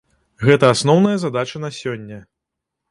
Гэта асноўная задача на сёння.